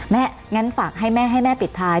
แม่อย่างนั้นฝากให้แม่ให้แม่ปิดท้าย